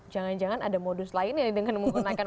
jangan jangan ada modus lainnya dengan menggunakan